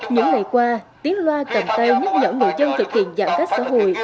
những ngày qua tiếng loa cầm tay nhắc nhở người dân thực hiện giãn cách xã hội